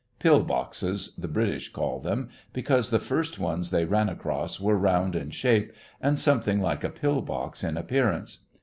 "Pill boxes," the British call them, because the first ones they ran across were round in shape and something like a pill box in appearance.